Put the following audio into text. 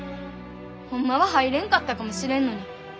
ホンマは入れんかったかもしれんのに。